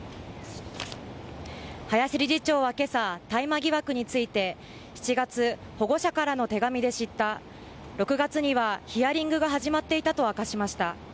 林理事長は今朝大麻疑惑について７月、保護者からの手紙で知った６月にはヒアリングが始まっていたと明かしました。